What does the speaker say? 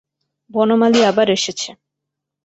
বনমালী আবার এসেছে।